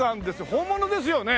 本物ですよね？